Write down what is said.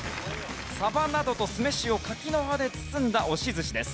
サバなどと酢飯を柿の葉で包んだ押し寿司です。